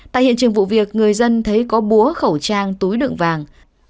tại hiện trường vụ việc người dân thấy có búa khẩu trang túi đựng vàng